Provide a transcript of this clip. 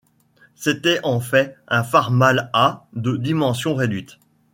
C'était en fait un Farmall A de dimensions réduites.